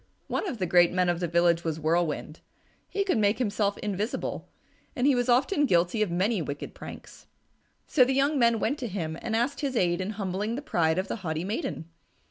One of the great men of the village was Whirlwind. He could make himself invisible, and he was often guilty of many wicked pranks. So the young men went to him and asked his aid in humbling the pride of the haughty maiden.